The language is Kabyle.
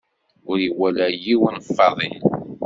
Ur iwala yiwen Faḍil.